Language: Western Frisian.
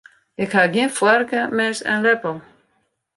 Ik ha gjin foarke, mes en leppel.